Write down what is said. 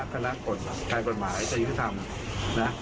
คณะกฎภายกรรหมายศรีธรรมนะ